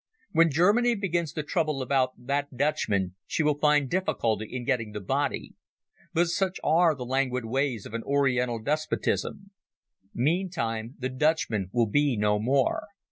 When Germany begins to trouble about that Dutchman she will find difficulty in getting the body; but such are the languid ways of an Oriental despotism. Meantime the Dutchman will be no more.